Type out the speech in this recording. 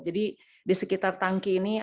jadi di sekitar tangki ini ada ban wall